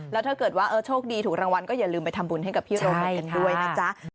แล้วถ้าเกิดว่าโชคดีถูกรางวัลก็อย่าลืมไปทำบุญให้กับพี่โรเบิร์ตกันด้วยนะจ๊ะ